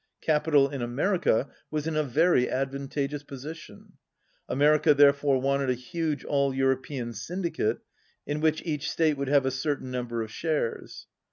Capital in America was in a very advantageous position. America there fore wanted a huge All European syndicate in which each state would have a certain number of shares.